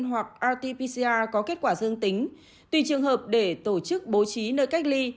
hoặc rt pcr có kết quả dương tính tùy trường hợp để tổ chức bố trí nơi cách ly